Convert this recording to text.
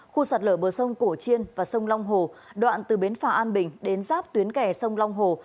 khu sạt lở bờ sông cổ chiên và sông long hồ đoạn từ bến phà an bình đến giáp tuyến kè sông long hồ